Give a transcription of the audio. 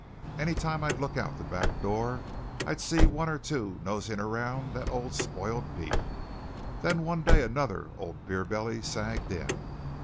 Any time I'd look out the back door I'd see one or two nosing around that old spoiled beef. Then one day another old beer belly sagged in.